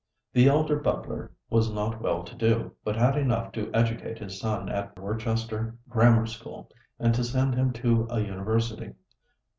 The elder Butler was not well to do, but had enough to educate his son at the Worcester Grammar School, and to send him to a university.